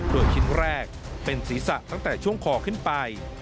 โดยชิ้นแรกเป็นศีรษะตั้งแต่ช่วงคอขึ้นไป